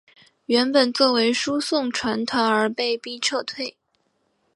原本作为输送船团而被逼撤退。